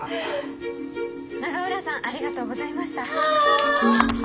「永浦さんありがとうございました」。